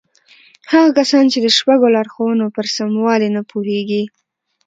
هغه کسان چې د شپږو لارښوونو پر سموالي نه پوهېږي.